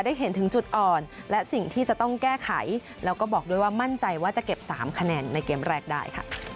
เห็นถึงจุดอ่อนและสิ่งที่จะต้องแก้ไขแล้วก็บอกด้วยว่ามั่นใจว่าจะเก็บ๓คะแนนในเกมแรกได้ค่ะ